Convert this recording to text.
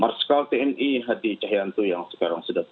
marskal tni hadi cahyanto yang sekarang sudah